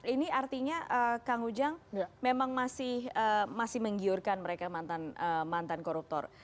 ini artinya kang ujang memang masih menggiurkan mereka mantan koruptor